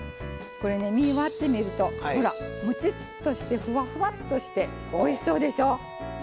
これ、身を割ってみるともちっとして、ふわふわっとしておいしそうでしょう。